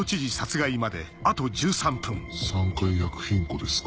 ３階薬品庫ですか。